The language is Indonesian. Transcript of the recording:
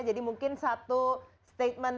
jadi mungkin satu statement